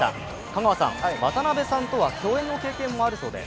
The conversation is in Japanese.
香川さん、渡辺さんとは共演の経験もあるそうで？